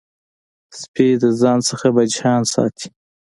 سپي د ځان نه بچیان ساتي.